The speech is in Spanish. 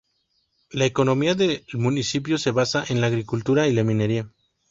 La economía del municipio se basa en la agricultura y la minería.